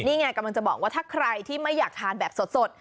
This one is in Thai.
นี่ไงกำลังจะบอกว่าถ้าใครที่ไม่อยากทานแบบสด